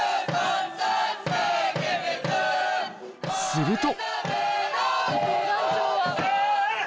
すると